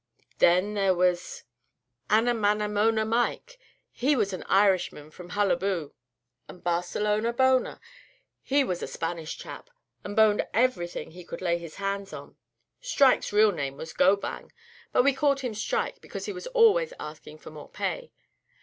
Then there was Anamanamona Mike, he was an Irishman from Hullaboo, and Barcelona Boner, he was a Spanish chap, and boned everything he could lay his hands on. Strike's real name was Gobang; but we called him Strike, because he was always asking for more pay.